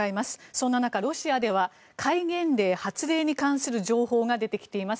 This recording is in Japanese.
そんな中、ロシアでは戒厳令発令に関する情報が出てきています。